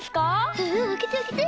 うんうんあけてあけて！